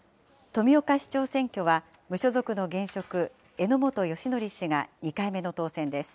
富岡市長選挙は、無所属の現職、榎本義法氏が２回目の当選です。